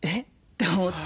て思って。